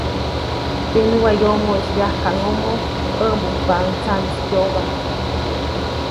Teʼ näwayomoʼis wyajkaʼŋʼomo ʼäʼmbujtpaʼuŋ tsaʼnis kyobajk.